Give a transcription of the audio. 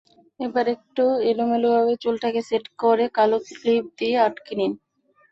এবার একটু এলোমেলোভাবে চুলটাকে সেট করে কালো ক্লিপ দিয়ে আটকে নিন।